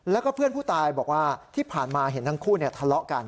แล้วก็เพื่อนผู้ตายบอกว่าที่ผ่านมาเห็นทั้งคู่ทะเลาะกัน